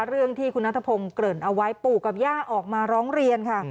เรื่องที่คุณนัทพงศ์เกริ่นเอาไว้ปู่กับย่าออกมาร้องเรียนค่ะ